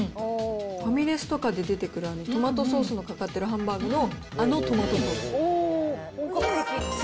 ファミレスとかで出てくる、トマトソースのかかってるハンバーグの、あのトマトソース。